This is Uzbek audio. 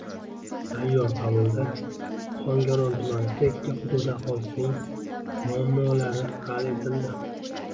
Sayyor qabulda Ohangaron tumani chekka hududi aholisining muammolari hal etildi